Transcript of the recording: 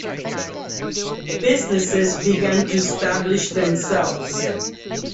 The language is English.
Businesses began to establish themselves.